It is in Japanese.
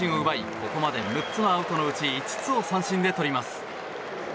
ここまで６つのアウトのうち５つを三振でとります。